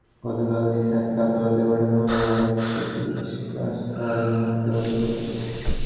গতকাল জিসানকে আদালতে পাঠানো হলেও আরিফকে পুলিশ ক্রসফায়ারের নামে হত্যা করে পুলিশ।